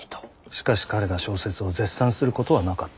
しかし“彼”が小説を絶賛する事はなかった。